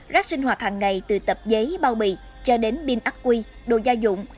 rác sinh hoạt hàng ngày từ tập giấy bao bì cho đến pin ác quy đồ gia dụng